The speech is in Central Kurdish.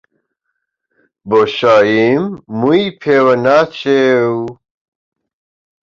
بۆشاییم مووی پێوە ناچێ و